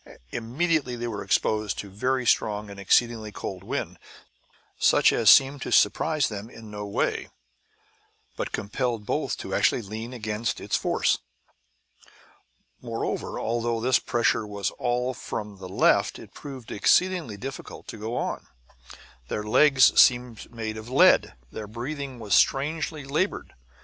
Immediately they were exposed to a very strong and exceedingly cold wind, such as seemed to surprise them in no way, but compelled both to actually lean against its force. Moreover, although this pressure was all from the left, it proved exceedingly difficult to go on. Their legs seemed made of lead, and their breathing was strangely labored.